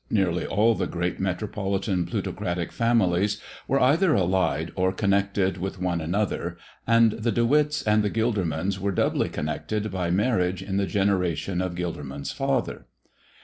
Nearly all the great metropolitan plutocratic families were either allied or connected with one another, and the De Witts and the Gildermans were doubly connected by marriage in the generation of Gilderman's father.